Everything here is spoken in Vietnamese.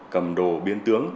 cầm đồ biến tướng